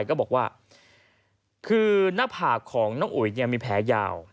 ก็บอกว่าคือหน้าผากของน้องอุ๋ยมีแผลยาว